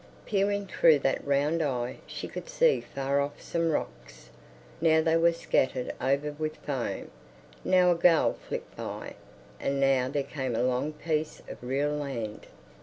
Peering through that round eye she could see far off some rocks. Now they were scattered over with foam; now a gull flipped by; and now there came a long piece of real land.